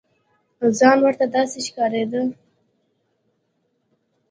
ځان ورته داسې ښکارېده.